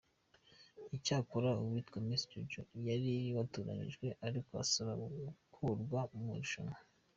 Cyakora uwitwa Miss Jojo yari yatoranyijwe ariko asaba gukurwa mu irushanwa.